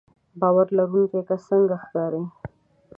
باور لرونکی کس څنګه ښکاري